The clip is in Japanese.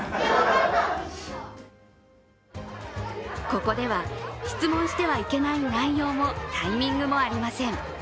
ここでは質問してはいけない内容もタイミングもありません。